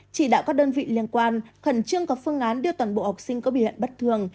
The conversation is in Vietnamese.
chỉ đạo các đơn vị liên quan khẩn trương có phương án đưa toàn bộ học sinh có biểu hiện bất thường